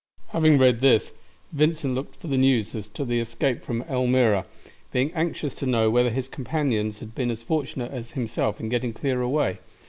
Having read this, Vincent looked for the news as to the escape from Elmira, being anxious to know whether his companions had been as fortunate as himself in getting clear away.